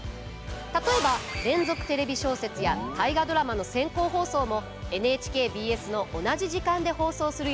例えば「連続テレビ小説」や「大河ドラマ」の先行放送もＮＨＫＢＳの同じ時間で放送する予定です。